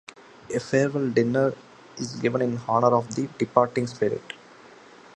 A farewell dinner is given in honor of the departing spirit.